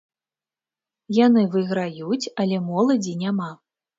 Яны выйграюць, але моладзі няма.